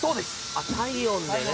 ・あ体温でね・・